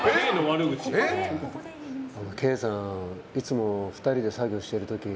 Ｋさん、いつも２人で作業している時